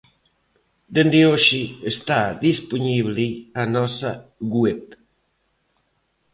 Dende hoxe está dispoñible a nosa web.